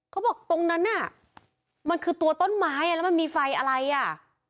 เขาบอกตรงนั้นน่ะมันคือตัวต้นไม้อ่ะแล้วมันมีไฟอะไรอ่ะ